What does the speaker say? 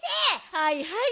はいはい。